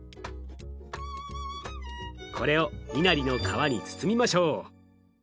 これをいなりの皮に包みましょう。